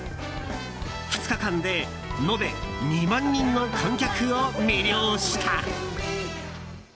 ２日間で延べ２万人の観客を魅了した。